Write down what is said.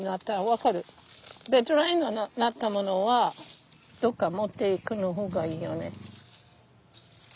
ドライになったものはどっか持っていく方がいいよね。